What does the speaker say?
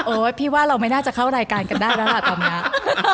พี่ว่าเราไม่น่าจะเข้ารายการกันได้แล้วล่ะตอนนี้